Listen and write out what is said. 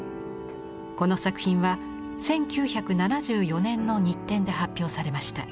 この作品は１９７４年の日展で発表されました。